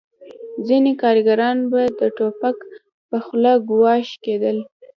ځینې کارګران به د ټوپک په خوله ګواښل کېدل